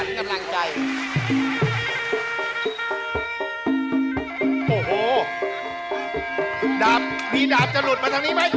ตีกองร้องเบามันเป็นตอนบอกขาว